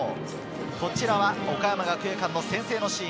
こちらは岡山学芸館の先制のシーン。